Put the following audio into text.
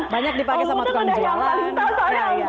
banyak dipakai sama tukang jualan